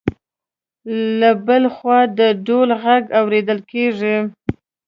له بل خوا د ډول غږ اوریدل کېده.